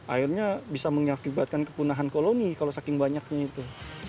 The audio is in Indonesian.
akhirnya bisa mengakibatkan kepunahan koloni kalau saking banyaknya itu